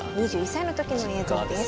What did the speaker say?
２１歳の時の映像です。